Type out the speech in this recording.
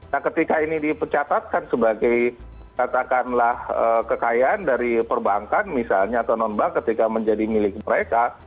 nah ketika ini dipercatatkan sebagai katakanlah kekayaan dari perbankan misalnya atau non bank ketika menjadi milik mereka